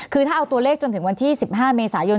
คือถ้าเอาตัวเลขจนถึงวันที่๑๕เมษายน